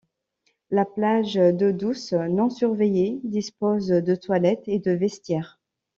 La plage d'eau douce, non surveillée, dispose de toilettes et de vestiaires.